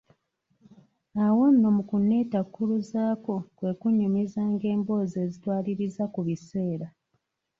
Awo nno mu kunnetakkuluzaako kwe kunnyumizanga emboozi ezitwaliriza ku biseera.